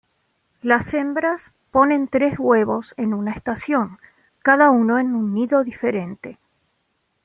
Las hembras ponen tres huevos en una estación, cada uno en un nido diferente.